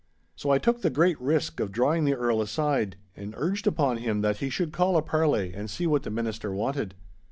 So I took the great risk of drawing the Earl aside, and urged upon him that he should call a parley and see what the Minister wanted.